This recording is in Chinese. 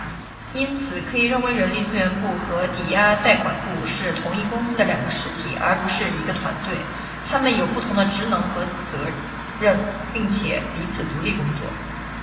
因此，可以认为人力资源部和抵押贷款部是同一公司的两个实体，而不是一个团队。它们有不同的职能和责任，并且彼此独立工作。